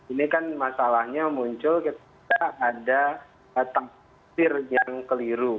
ini kan masalahnya muncul ketika ada tafsir yang keliru